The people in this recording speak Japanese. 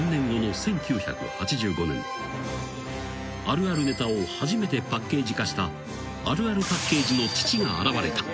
［あるあるネタを初めてパッケージ化したあるあるパッケージの父が現れた。